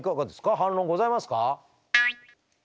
反論ございますか？